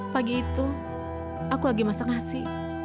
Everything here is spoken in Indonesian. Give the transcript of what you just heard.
pagi itu aku lagi masak nasi